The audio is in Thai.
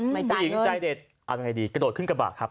ผู้หญิงใจเด็ดเอายังไงดีกระโดดขึ้นกระบะครับ